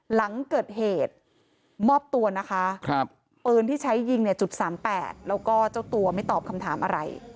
หลังเกิดเหตุมอบตัวนะคะปืนที่ใช้ยิงเนี่ยจุด๓๘แล้วก็เจ้าตัวไม่ตอบคำถามอะไร